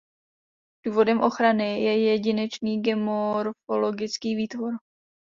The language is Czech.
Důvodem ochrany je jedinečný geomorfologický výtvor.